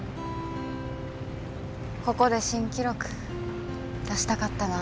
ここで新記録出したかったな。